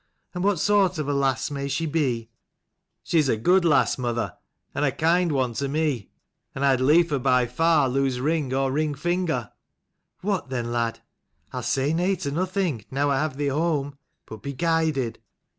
And what sort of a lass may she be? " 157 " She's a good lass, mother, and a kind one to me: and I'd liefer by far lose ring or ring finger." "What then, lad? I'll say nay to nothing, now I have thee home: but be guided.